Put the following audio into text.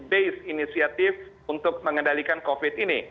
ini adalah satu inisiatif untuk mengendalikan covid sembilan belas ini